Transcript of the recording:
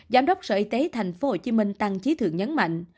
giám đốc sở y tế tp hcm tăng trí thượng nhấn mạnh